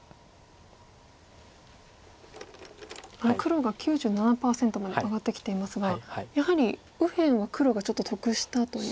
黒が９７％まで上がってきていますがやはり右辺は黒がちょっと得したという。